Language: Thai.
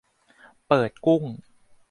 เปิดกุ้ง